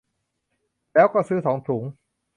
แล้วก็ซื้อสองถุง